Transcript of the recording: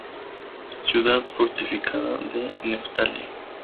Ciudad fortificada de Neftalí.